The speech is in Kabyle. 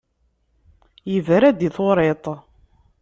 Yebra-d i turiḍt.